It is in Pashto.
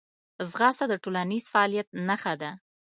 ځغاسته د ټولنیز فعالیت نښه ده